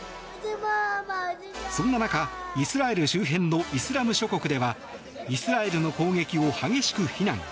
そんな中、イスラエル周辺のイスラム諸国ではイスラエルの攻撃を激しく非難。